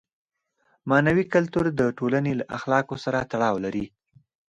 معنوي کلتور د ټولنې له اخلاقو سره تړاو لري.